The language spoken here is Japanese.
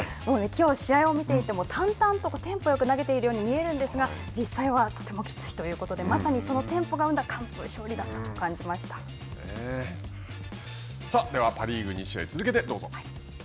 きょう試合を見ていても淡々とテンポよく投げているように見えるんですが実際はとてもきついということでまさにそのテンポが生んだではパ・リーグ２試合